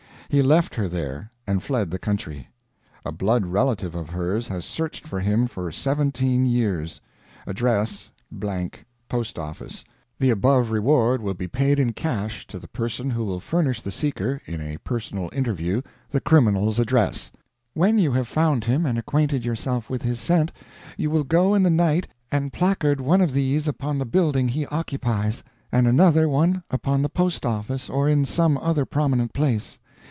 He left her there, and fled the country. A blood relative of hers has searched for him for seventeen years. Address... ......,.........., Post office. The above reward will be paid in cash to the person who will furnish the seeker, in a personal interview, the criminal's address. "When you have found him and acquainted yourself with his scent, you will go in the night and placard one of these upon the building he occupies, and another one upon the post office or in some other prominent place.